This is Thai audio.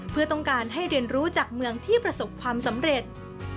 เพื่อต้องการให้เรียนรู้จากเมืองที่ประสบความสำเร็จ